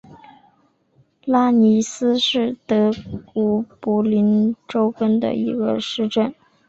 拉尼斯是德国图林根州的一个市镇。